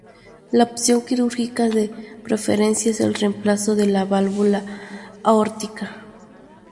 La opción quirúrgica de preferencia es el reemplazo de la válvula aórtica.